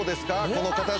この形。